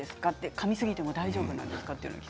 かみすぎても大丈夫ですか。